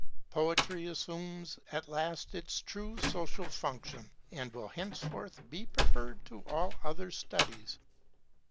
Poetry assumes at last its true social function, and will henceforth be preferred to all other studies.